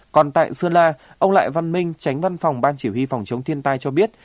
còn tại sơn la ông lại văn minh tránh văn phòng ban chỉ huy phòng chống thiên tai cho biết